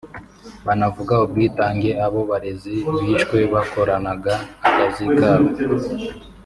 banavuga ubwitange abo barezi bishwe bakoranaga akazi kabo